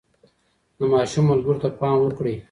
د ماشوم ملګرو ته پام وکړئ.